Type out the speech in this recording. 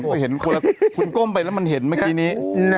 กลมไปแล้วมันเห็นเมื่อกี้นี้